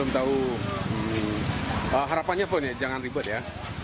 tahu harapannya pun ya jangan ribet ya